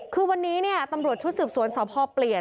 คือวันนี้เนี่ยตำรวจชุดสืบสวนสพเปลี่ยน